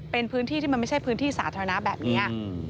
เป็นพื้นที่ที่มันไม่ใช่พื้นที่สาธารณะแบบนี้